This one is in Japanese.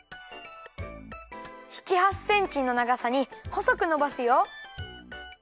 ７８センチのながさにほそくのばすよ。